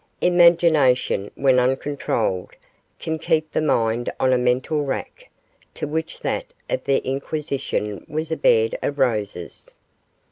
Imagination, when uncontrolled, can keep the mind on a mental rack, to which that of the Inquisition was a bed of roses.